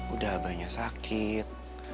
udah abahnya sakit